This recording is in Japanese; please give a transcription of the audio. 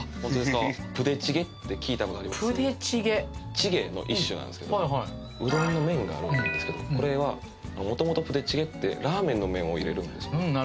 チゲの一種なんですけどうどんの麺があるんですけどこれはもともとプデチゲってラーメンの麺を入れるんです